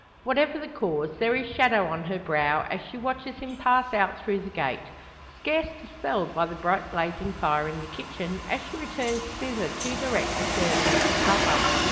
Whatever the cause, there is shadow on her brow, as she watches him pass out through the gate; scarce dispelled by the bright blazing fire in the kitchen, as she returns thither to direct the serving of the supper.